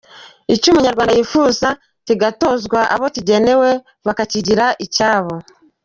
Icyo umunyarwanda yifuza kigatozwa abo kigenewe bakakigira icyabo.